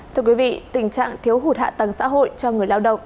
thưa quý vị tình trạng thiếu hụt hạ tầng xã hội cho người lao động